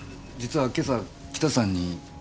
実は今朝キタさんに。